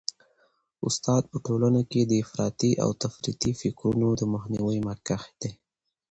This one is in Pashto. استاد په ټولنه کي د افراطي او تفریطي فکرونو د مخنیوي مخکښ دی.